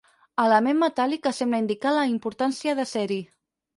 Element metàl·lic que sembla indicar la importància de ser-hi.